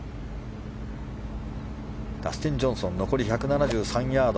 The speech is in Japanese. ダスティン・ジョンソン残り１７３ヤード。